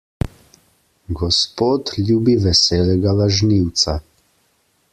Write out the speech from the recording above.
Gospod ljubi veselega lažnivca.